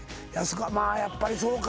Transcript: まあやっぱりそうか。